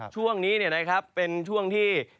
ช่วงนี้เป็นช่วงที่